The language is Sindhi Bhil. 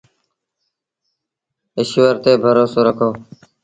ايٚشور تي ڀروسو رکو۔